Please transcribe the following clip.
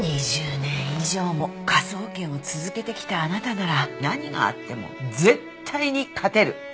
２０年以上も科捜研を続けてきたあなたなら何があっても絶対に勝てる。